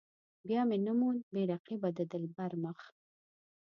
بیا مې نه موند بې رقيبه د دلبر مخ.